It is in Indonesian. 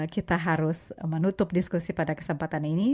kita harus menutup diskusi pada kesempatan ini